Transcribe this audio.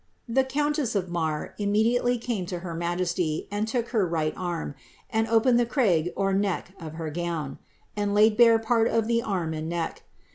The counless of .Marr ininiedialely came to her majcj^lv. anJ took her right arm, and opened the cmig ■ iicckt of her gown, and Isjii bare part of the arm and neck.